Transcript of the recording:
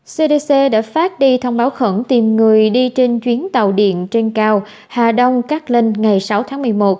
cdc đã phát đi thông báo khẩn tìm người đi trên chuyến tàu điện trên cao hà đông cát linh ngày sáu tháng một mươi một